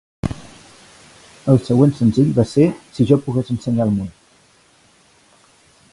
El següent senzill va ser "Si jo pogués ensenyar el món".